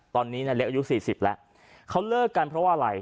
ตอนนี้นายเล็กอายุ๔๐แล้วเขาเลิกกันเพราะว่าอะไร